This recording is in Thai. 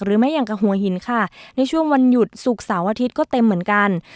หรือมีการกระหัวหินในวันยุธก็เต็มเต็มเหมือนกัน